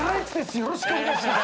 よろしくお願いします。